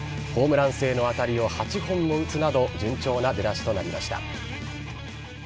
ホームラン性の当たりを８本を打つなど順調な出だしとなりました。